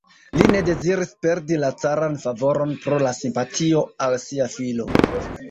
Li ne deziris perdi la caran favoron pro la simpatio al sia filo.